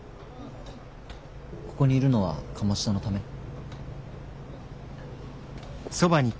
ここにいるのは鴨志田のため？